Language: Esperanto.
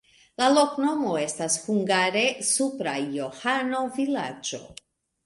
La loknomo estas hungare: supra-Johano-vilaĝo.